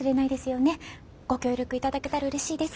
ご協力頂けたらうれしいです。